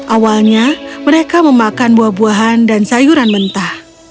awalnya mereka memakan buah buahan dan sayuran mentah